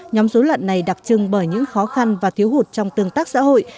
nhóm dối loạn này đặc trưng bởi những khó khăn và thiếu hụt trong tương tác xã hội